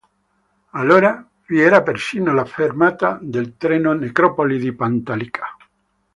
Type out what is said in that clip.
Allora vi era persino la fermata del treno Necropoli di Pantalica.